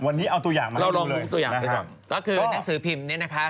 วันนี้เอาตัวอย่างมาดูเลยนะครับก็คือหนังสือพิมพ์นี้นะคะ